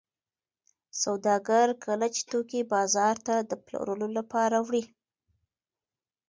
سوداګر کله چې توکي بازار ته د پلورلو لپاره وړي